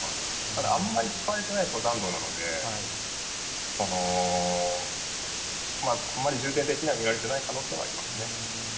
ただ、あんまり使われてない登山道なので、あんまり重点的には見られてない可能性はありますね。